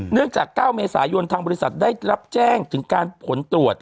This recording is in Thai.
จาก๙เมษายนทางบริษัทได้รับแจ้งถึงการผลตรวจ